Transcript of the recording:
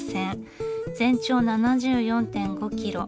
全長７４．５キロ。